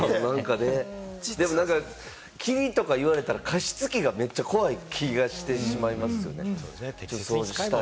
けど、霧とか言われたら、加湿器がめっちゃ怖い気がしてしまう。